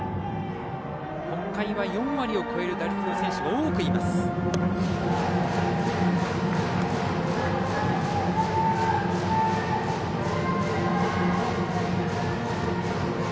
北海は４割を超える打率の選手が多くいます。